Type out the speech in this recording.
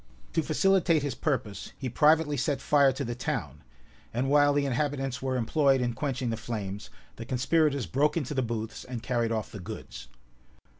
To facilitate his purpose, he privately set fire to the town; and while the inhabitants were employed in quenching the flames, the conspirators broke into the booths, and carried off the goods.